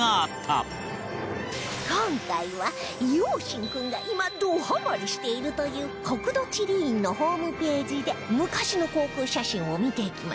今回は陽心君が今どハマりしているという国土地理院のホームページで昔の航空写真を見ていきましょう